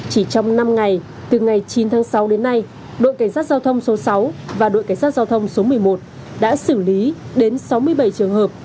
chỉ trong năm ngày từ ngày chín tháng sáu đến nay đội cảnh sát giao thông số sáu và đội cảnh sát giao thông số một mươi một đã xử lý đến sáu mươi bảy trường hợp